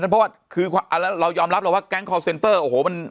เพราะว่าคืออ่าแล้วเรายอมรับเราว่าแก๊งโคลเซ็นเตอร์โอ้โหมัน